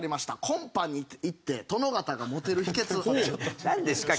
コンパに行って殿方がモテる秘訣。